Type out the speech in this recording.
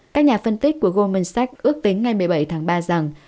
các nhà phân tích của goldman sachs ước tính ngày một mươi bảy tháng ba rằng